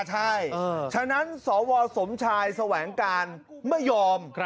ใช่ฉะนั้นสวสมชายแสวงการไม่ยอม